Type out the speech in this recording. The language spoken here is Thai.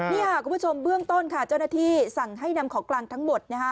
นี่ค่ะคุณผู้ชมเบื้องต้นว้าที่สั่งให้นำของกลางทั้งหมด